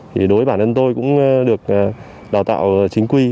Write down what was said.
thì đối với bản thân tôi cũng được đào tạo chính quy